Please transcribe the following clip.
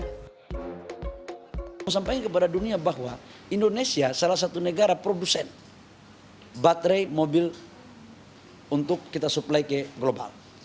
saya mau sampaikan kepada dunia bahwa indonesia salah satu negara produsen baterai mobil untuk kita supply ke global